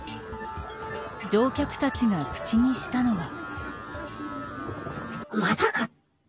乗客たちが口にしたのは。